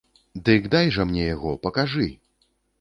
Дык дай жа мне яго, пакажы!